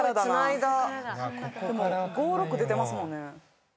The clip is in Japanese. でも５・６出てますもんね。